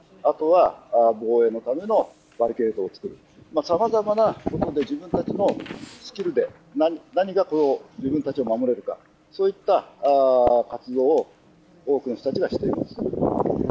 あとは防衛のためのバリケードを作る、さまざまなことで、自分たちのスキルで、何が自分たちを守れるか、そういった活動を多くの人たちがしています。